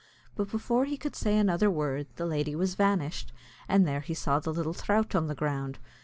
But before he could say another word, the lady was vanished, and there he saw the little throut an the ground.